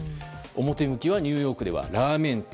表向きはニューヨークではラーメン店